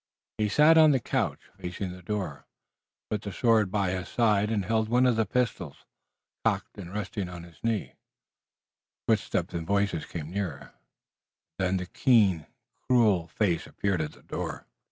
He sat on the couch, facing the door, put the sword by his side and held one of the pistols, cocked and resting on his knee. The footsteps and voices came nearer, and then the keen, cruel face appeared at the door.